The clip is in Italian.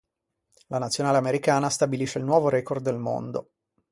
La nazionale americana stabilisce il nuovo record del mondo.